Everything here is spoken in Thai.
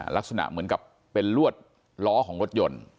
ลักษณะเหมือนกับเป็นลวดล้อของรถยนต์